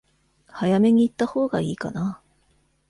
早めに行ったほうが良いかな？